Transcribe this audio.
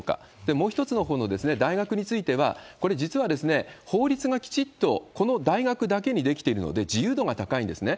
もう一つのほうの大学については、これ、実は法律がきちっと、この大学だけに出来ているので、自由度が高いんですね。